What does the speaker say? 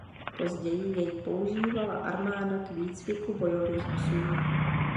Později jej používala armáda k výcviku bojových psů.